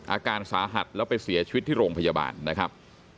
อาการสาหัสแล้วไปเสียชีวิตที่โรงพยาบาลนะครับ